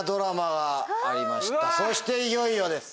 そしていよいよです。